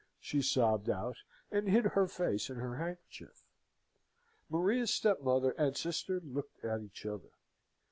she sobbed out, and hid her face in her handkerchief. Maria's stepmother and sister looked at each other.